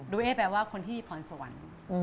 เอ๊แปลว่าคนที่พรสวรรค์